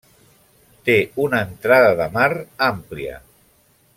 Té una entrada de mar àmplia.